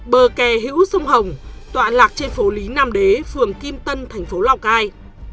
bờ kè hữu sông hồng tọa lạc trên phố lý nam đế phường kim tân thành phố lào cai